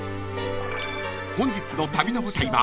［本日の旅の舞台は］